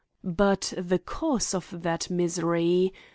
But the cause of that misery!